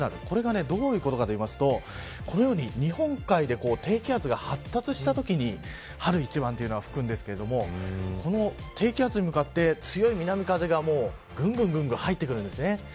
これがどういうことかというとこのように日本海で低気圧が発達したときに春一番が吹くんですけれどもこの低気圧に向かって強い南風がぐんぐん入ってくるんです。